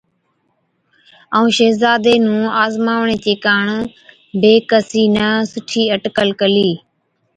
ائُون شهزادي نُون آزماوَڻي چي ڪاڻ بِي ڪِسِي نہ سُٺِي اٽڪل ڪلِي۔